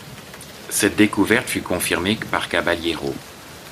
Cette découverte fut confirmée par Caballero.